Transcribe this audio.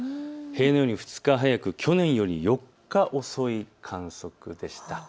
平年よりも２日早く去年より４日遅い観測でした。